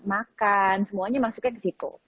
makan semuanya masuknya ke situ